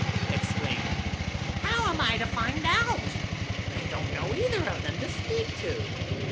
exclaimed Lena; "how am I to find out? I don't know either of them to speak to."